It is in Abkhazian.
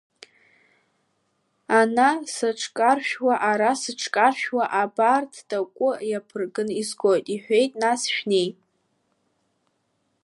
Ана сыҽкаршәуа, ара сыҽкаршәуа, абарҭ такәы иаԥырган изгот, — аҳәеит, нас шәнеи.